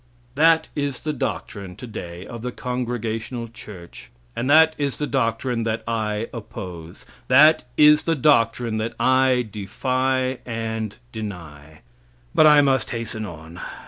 "That is the doctrine today of the Congregational church, and that is the doctrine that I oppose. That is the doctrine that I defy and deny. But I must hasten on.